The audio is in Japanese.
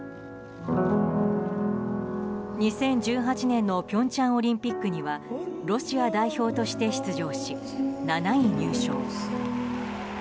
２０１８年の平昌オリンピックにはロシア代表として出場し７位入賞。